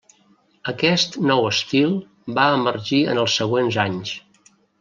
Aquest nou estil va emergir en els següents anys.